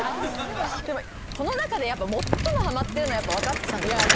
この中でやっぱ最もハマってるのは若槻さんですよね？